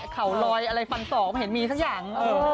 ข่าวล้อยอะไรฟันสองเหมือนมีสักอย่าง